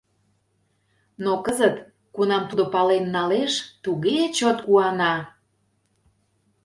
Но кызыт, кунам тудо пален налеш... туге чот куана!